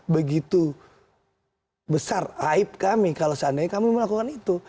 begitu besar aib kami kalau seandainya kami melakukan itu